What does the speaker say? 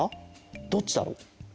どっちだろう？